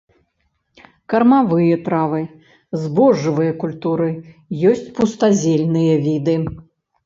Кармавыя травы, збожжавыя культуры, ёсць пустазельныя віды.